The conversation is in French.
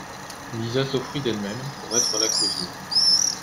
Lisa s’offrit d’elle-même pour être la cousine.